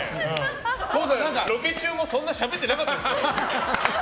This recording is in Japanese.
ロケ中もそんなにしゃべってなかったですから。